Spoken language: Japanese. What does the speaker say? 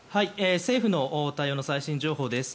政府の対応の最新情報です。